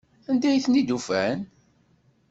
Anda ay ten-id-ufan?